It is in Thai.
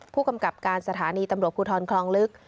ผู้กำกับการสถานีตำรวจภูทรคลองลึก